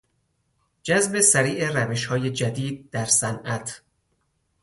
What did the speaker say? جذب سریع روشهای جدید در صنعت